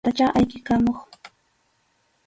Imaynallatachá ayqikamuq.